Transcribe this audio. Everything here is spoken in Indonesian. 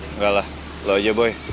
enggak lah lo aja boy